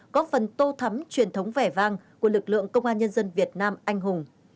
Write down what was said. góp phần tô thắm truyền thống vẻ vang của lực lượng công an nhân dân việt nam anh hùng